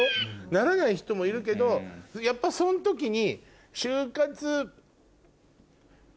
ならない人もいるけどやっぱその時に。